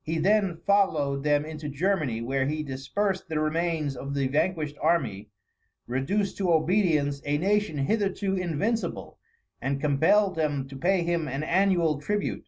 He then followed them into Germany, where he dispersed the remains of the vanquished army, reduced to obedience a nation hitherto invincible, and compelled them to pay him an annual tribute.